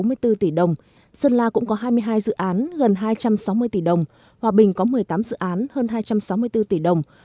gần ba trăm bốn mươi bốn tỷ đồng sơn la cũng có hai mươi hai dự án gần hai trăm sáu mươi tỷ đồng hòa bình có một mươi tám dự án hơn hai trăm sáu mươi bốn tỷ đồng